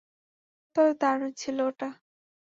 তবে দারুণ ছিলো ওটা।